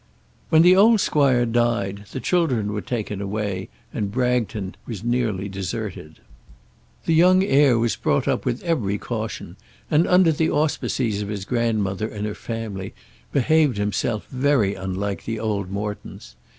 When the old squire died the children were taken away, and Bragton was nearly deserted. The young heir was brought up with every caution, and, under the auspices of his grandmother and her family, behaved himself very unlike the old Mortons.